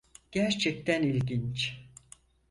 Gerçekten ilginç.